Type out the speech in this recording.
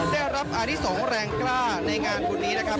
ได้รับอานิสงฆ์แรงกล้าในงานบุญนี้นะครับ